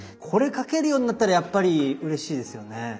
これ描けるようになったらやっぱりうれしいですよね。